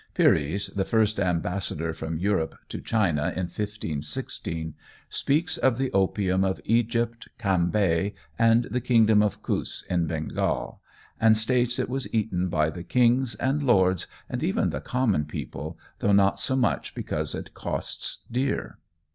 Pyres, the first ambassador from Europe to China in 1516, speaks of the opium of Egypt, Cambay, and the kingdom of Coûs, in Bengal, and states it was eaten by "the kings and lords, and even the common people, though not so much because it costs dear."